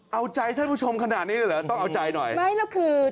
เอาใจท่านผู้ชมขนาดนี้เลยเหรอต้องเอาใจหน่อยไม่แล้วคือ